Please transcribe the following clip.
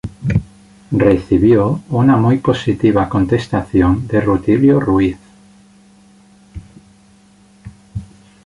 Recibió una muy positiva contestación de Rutilio Ruiz.